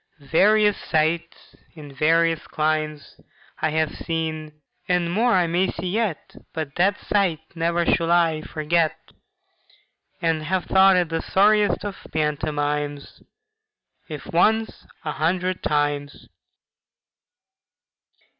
Various sights in various climes I have seen, and more I may see yet, But that sight never shall I forget, And have thought it the sorriest of pantomimes, If once, a hundred times!